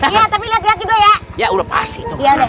iya tapi liat liat juga ya ya udah pasti tuh mbak iya udah